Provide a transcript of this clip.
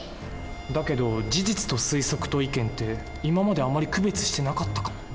だけど事実と推測と意見って今まであまり区別してなかったかも。